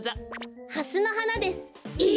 ハスのはなです。え！？